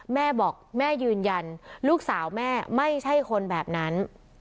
แม่บอกแม่ยืนยันลูกสาวแม่ไม่ใช่คนแบบนั้น